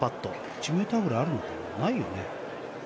１ｍくらいあるのかなないよね？